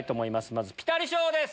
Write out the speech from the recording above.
まずピタリ賞です！